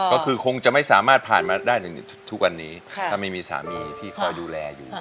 ก็คือคงจะไม่สามารถผ่านมาได้อย่างทุกวันนี้ถ้าไม่มีสามีที่คอยดูแลอยู่